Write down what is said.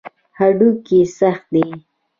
هډوکي سخت دي.